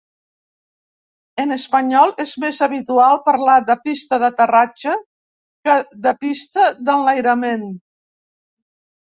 En espanyol és més habitual parlar de pista d'aterratge que de pista d'enlairament.